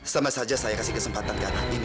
sama saja saya kasih kesempatan ke anak ini